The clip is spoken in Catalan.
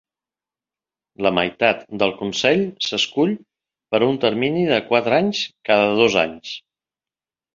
La meitat del consell s'escull per a un termini de quatre anys cada dos anys.